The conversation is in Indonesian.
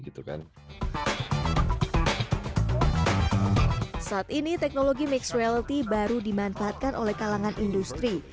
saat ini teknologi mixed reality baru dimanfaatkan oleh kalangan industri